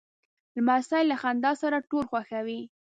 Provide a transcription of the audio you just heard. لمسی له خندا سره ټول خوښوي.